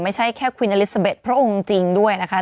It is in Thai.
ไม่ใช่แค่คุณอลิสเบ็ดพระองค์จริงด้วยนะคะ